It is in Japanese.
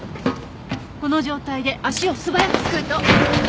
この状態で足を素早くすくうと。